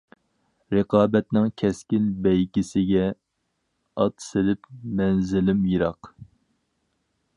رىقابەتنىڭ، كەسكىن بەيگىسىگە. ئات سېلىپ مەنزىلىم يىراق.